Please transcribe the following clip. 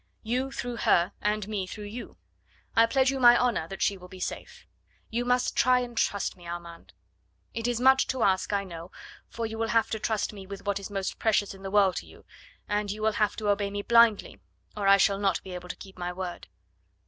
You through her, and me through you. I pledge you my honour that she will be safe. You must try and trust me, Armand. It is much to ask, I know, for you will have to trust me with what is most precious in the world to you; and you will have to obey me blindly, or I shall not be able to keep my word."